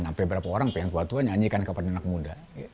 sampai berapa orang pengen tua tua nyanyikan kepada anak muda